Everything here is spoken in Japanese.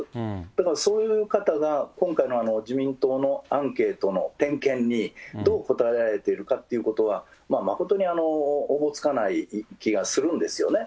だからそういう方が今回の自民党のアンケートの点検にどう答えられているかということは、誠におぼつかない気がするんですよね。